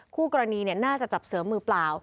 คู่กรณีน่าจะจับเสริมมือเปล่า